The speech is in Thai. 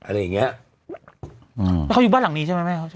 อะไรอย่างเงี้ยอืมแล้วเขาอยู่บ้านหลังนี้ใช่ไหมแม่เขา